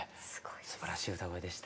すばらしい歌声でした。